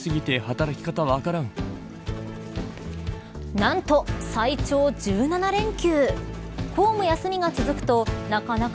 何と、最長１７連休。